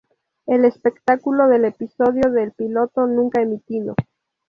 El espectáculo del episodio del piloto nunca emitido.